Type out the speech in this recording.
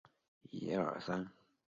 买了青森苹果